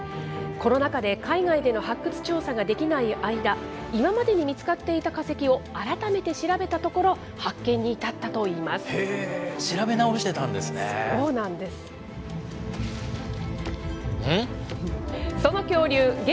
コロナ禍で海外での発掘調査ができない間、今までに見つかっていた化石を改めて調べたところ、調べ直してたんですね。